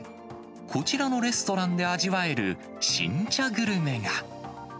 こちらのレストランで味わえる新茶グルメが。